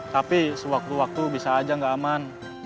tapi sewaktu waktu bisa aja nggak aman